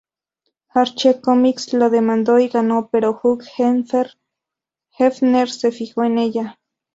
Archie Comics la demandó y ganó, pero Hugh Hefner se fijó en ella.